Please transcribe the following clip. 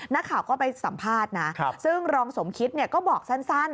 นักข่าวก็ไปสัมภาษณ์นะซึ่งรองสมคิดก็บอกสั้น